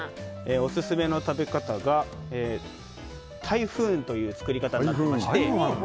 オススメの食べ方がタイフーンという作り方になっていまして。